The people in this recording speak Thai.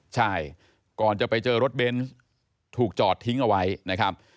ใช่ก่อนจะไปเจอรถเบนส์ถูกจอดทิ้งเอาไว้นะครับ